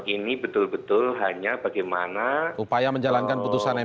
ini betul betul hanya bagaimana upaya menjalankan putusan mk